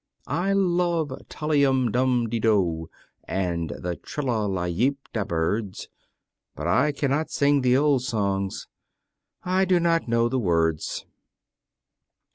I love "Tolly um dum di do," And the "trilla la yeep da" birds, But "I can not sing the old songs" I do not know the words.